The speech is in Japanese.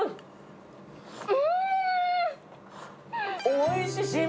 おいしい。